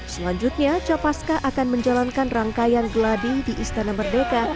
selanjutnya capaska akan menjalankan rangkaian geladi di istana merdeka